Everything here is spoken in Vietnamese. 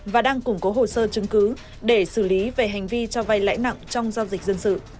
và đang củng cố hồ sơ chứng cứ để xử lý về hành vi cho vay lãi nặng trong giao dịch dân sự